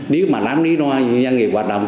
nếu mà lắng lý đó doanh nghiệp hoạt động